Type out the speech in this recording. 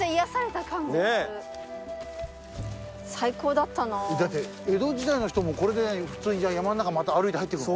だって江戸時代の人もこれで普通に山の中また歩いて入ってくの？